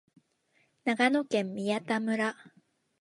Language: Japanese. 長野県宮田村